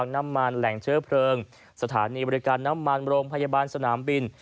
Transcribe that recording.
น้ำมันแหล่งเชื้อเพลิงสถานีบริการน้ำมันโรงพยาบาลสนามบิน